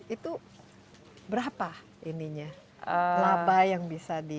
itu berapa ininya laba yang bisa di